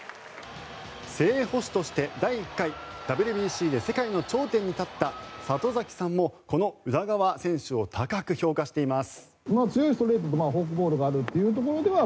正捕手として第１回ＷＢＣで世界の頂点に立った里崎さんも、この宇田川選手を高く評価しています。